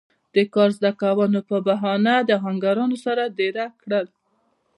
د کار زده کولو پۀ بهانه د آهنګرانو سره دېره کړل